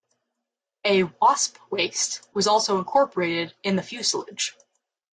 A "wasp waist" was also incorporated in the fuselage.